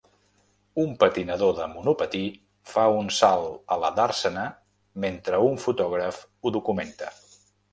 Un patinador de monopatí fa un salt a la dàrsena mentre un fotògraf ho documenta.